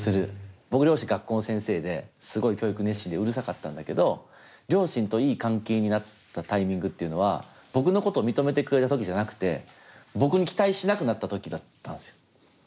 僕両親学校の先生ですごい教育熱心でうるさかったんだけど両親といい関係になったタイミングっていうのは僕のことを認めてくれた時じゃなくて僕に期待しなくなった時だったんですよ。